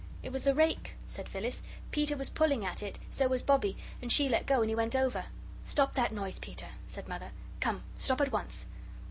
"It was the rake," said Phyllis. "Peter was pulling at it, so was Bobbie, and she let go and he went over." "Stop that noise, Peter," said Mother. "Come. Stop at once."